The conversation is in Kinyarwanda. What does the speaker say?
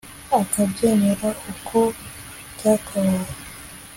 akabyemera uko byakabaye